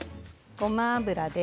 ごま油です。